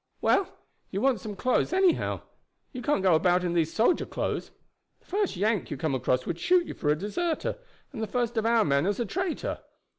"Well, you want some clothes, anyhow; you can't go about in these soldier clothes. The first Yank you came across would shoot you for a deserter, and the first of our men as a traitor.